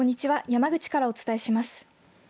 山口からお伝えします。